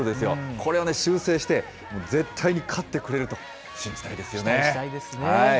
これを修正して、絶対に勝ってくれると信じたいですよね。